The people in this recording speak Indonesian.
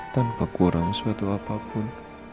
tanpa kurang suatu apapun